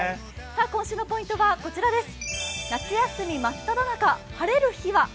今週のポイントは、こちらです夏休みまっただ中、晴れる日は？